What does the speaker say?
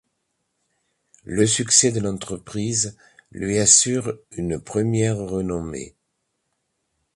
Le succès de l'entreprise lui assure une première renommée.